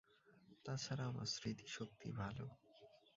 তা ছাড়া আমার স্মৃতিশক্তি ভালো।